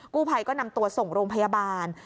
กู้ภัยก็นำตัวส่งโรงพยาบาล